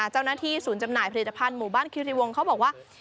เจ้าหน้าที่ศูนย์จำหน่ายผลิตภัณฑ์หมู่บ้านคิริวงศ์เขาบอกว่า